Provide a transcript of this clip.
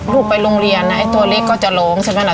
ลูกไปโรงเรียนน่ะไอ้ตัวลิกก็จะล้มใช่ไหมน่ะ